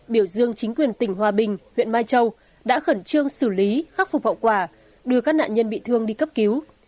biểu dương chính quyền tỉnh hòa bình huyện mai châu đã khẩn trương xử lý khắc phục hậu quả đưa các nạn nhân bị thương đi cấp cứu